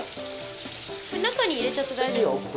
中に入れちゃって大丈夫ですか？